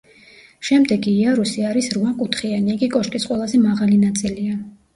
შემდეგი იარუსი არის რვა კუთხიანი, იგი კოშკის ყველაზე მაღალი ნაწილია.